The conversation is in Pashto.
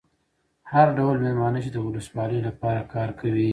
هر ډول مېلمانه چې د ولسوالۍ لپاره کار کوي.